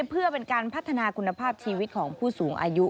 เพื่อเป็นการพัฒนาคุณภาพชีวิตของผู้สูงอายุ